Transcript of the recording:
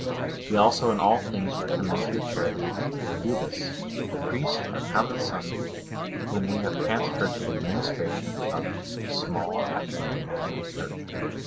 We also in all things recommend to your charity, Candidus,(108) the priest, our common son, whom we have transferred to the administration of a small patrimony in our Church.